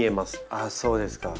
ああそうですか。